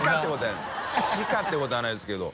しか」ってことはないですけど。